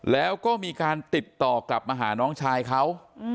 แล้วก็มีการติดต่อกลับมาหาน้องชายเขา